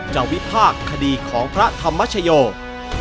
จะวิภาคคดีของพระธรรมชโยค